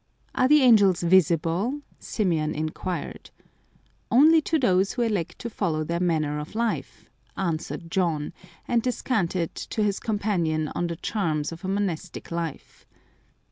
" Are the angels visible ?" Symeon inquired. " Only to those who elect to follow their manner of life," answered John, and descanted to his com panion on the charms of a monastic life.